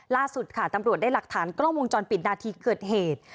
ล่าสุดค่ะตำรวจได้หลักฐานกล้องวงจรปิดนาทีเกิดเหตุ